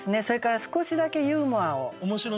それから少しだけユーモアを。